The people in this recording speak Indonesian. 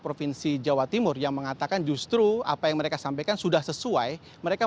provinsi jawa timur yang mengatakan justru apa yang mereka sampaikan sudah sesuai mereka